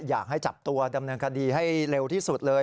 อยากให้จับตัวดำเนินคดีให้เร็วที่สุดเลย